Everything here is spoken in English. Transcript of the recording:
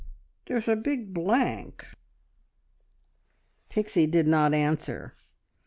There's a big blank!" Pixie did not answer.